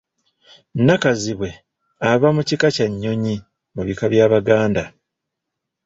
Nakazibwe ava mu kika kya nnyonyi mu bika by'Abaganda.